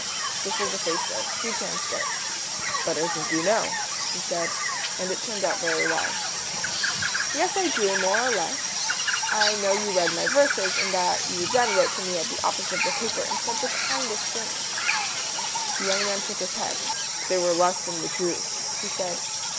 This was a facer. He chanced it. "But I think you know," he said; and it turned out very well. "Yes, I do, more or less. I know you read my verses, and that you then wrote to me at the office of the paper and said the kindest things." The young man shook his head. "They were less than the truth," he said.